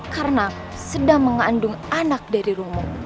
karena aku sedang mengandung anak dari rumahmu